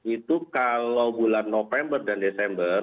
itu kalau bulan november dan desember